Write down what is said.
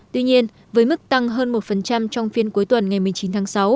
tuy nhiên với mức tăng hơn một trong phiên cuối tuần ngày một mươi chín tháng sáu